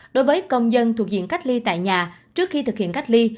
đối với công dân thuộc diện cách ly tại nhà trước khi thực hiện cách ly